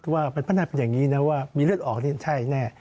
ว่าเป็นพนักเป็นอย่างนี้นะว่ามีเลือดออกนี่ใช่แน่